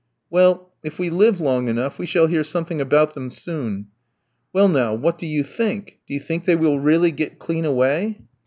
"Well, if we live long enough, we shall hear something about them soon." "Well, now, what do you think? Do you think they really will get clean away?"